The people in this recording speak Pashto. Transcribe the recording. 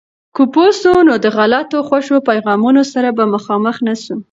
که پوه سو، نو د غلطو خوشو پیغامونو سره به مخامخ نسو.